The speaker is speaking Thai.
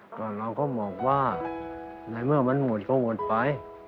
ก็เราก็บอกว่าในเมื่อมันหมดก็หมดไป